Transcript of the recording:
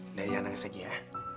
nggak ya nangis lagi ya